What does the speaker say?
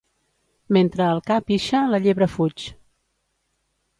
Mentre el ca pixa, la llebre fuig.